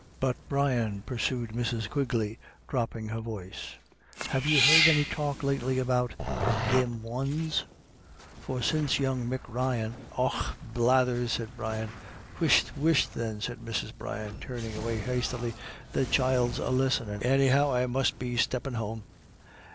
"But Brian," pursued Mrs. Quigley, dropping her voice, " have you heard any talk lately about Thim Ones ? For since young Mick Ryan "" Och blathers," said Brian. " Whisht, whisht then," said Mrs. Brian, turning away hastily, " the child's a listenin'. Anyhow, I must be steppin' home."